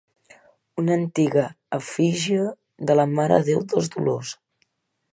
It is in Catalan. Una antiga efígie de la Mare de Déu dels Dolors.